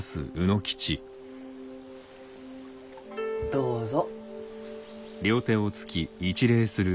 どうぞ。